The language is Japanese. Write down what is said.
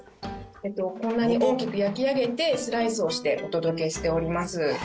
こんなに大きく焼き上げて、スライスをしてお届けしております。